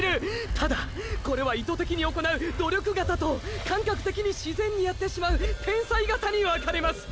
ただこれは意図的に行う“努力型”と感覚的に自然にやってしまう“天才型”に分かれます。